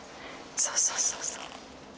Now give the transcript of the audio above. そうそうそうそう。